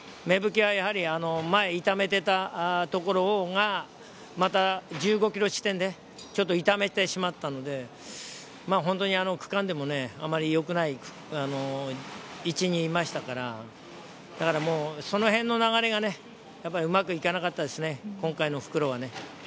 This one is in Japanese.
芽吹はやはり前痛めていたところが１５ｋｍ地点でちょっと痛めてしまったので、本当に区間でもあまりよくない位置にいましたから、その辺の流れがうまくいかなかったですね、今回の復路は。